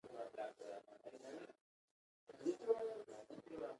موږ ښځې ته د جنسیت له امله ووایو.